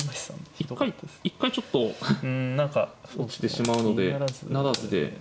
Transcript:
一回ちょっと落ちてしまうので不成で。